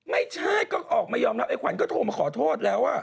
ไม่ใช่ก็ออกมายอมรับไอขวัญก็โทรมาขอโทษแล้ว